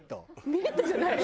ピリッとじゃない。